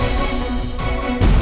sekejap apa yangmu pasti pengerti